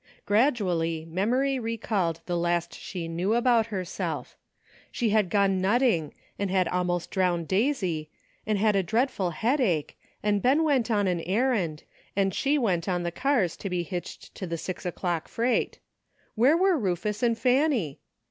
Gradually memory recalled the last she knew about herself. She had gone nutting and had almost drowned Daisy, and had a dreadful head ache, and Ben went on an errand, and she went on the cars to be hitched to thn six o'clock freight. Where were Rufus and Fanny?